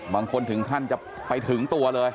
บางคนถึงขั้นจะไปถึงตัวเลย